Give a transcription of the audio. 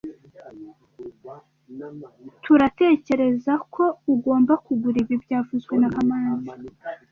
Sturatekerezako ugomba kugura ibi byavuzwe na kamanzi